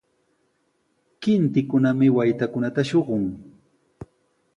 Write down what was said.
Kintikunami waytakunata shuqun.